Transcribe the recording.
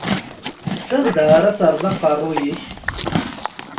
S anda ara terreḍ aqerru-k?